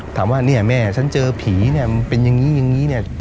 ถามว่าเนี่ยแม่ฉันเจอผีเนี่ยมันเป็นอย่างนี้อย่างนี้เนี่ย